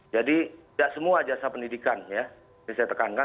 jadi tidak semua jasa pendidikan ya ini saya tekankan